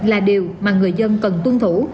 là điều mà người dân cần tuân thủ